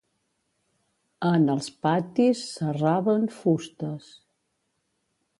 En els patis serraven fustes